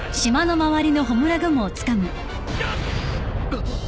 あっ！